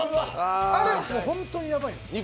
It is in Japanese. あれは本当にヤバいです。